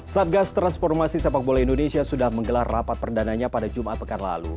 satgas transformasi sepak bola indonesia sudah menggelar rapat perdananya pada jumat pekan lalu